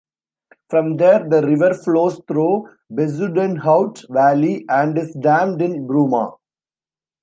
From there the river flows through Bezuidenhout Valley and is dammed in Bruma.